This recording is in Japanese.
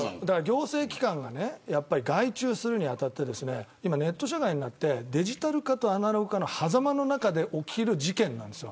行政機関が外注するにあたってネット社会になってデジタル化とアナログ化の狭間の中で起きる事件なんです。